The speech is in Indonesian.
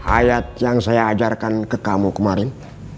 ayat yang saya ajarkan ke kamu kemarin